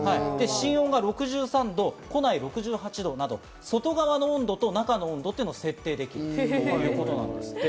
芯温が６８度など外側の温度と内側の温度を設定できるということなんですって。